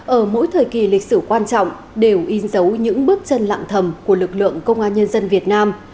ở mỗi thời kỳ lịch sử quan trọng đều in dấu những bước chân lạng thầm của lực lượng công an nhân dân việt nam